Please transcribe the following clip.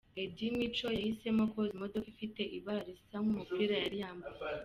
Eddie Mico yahisemo koza imodoka ifite ibara risa nk'umupira yari yambaye.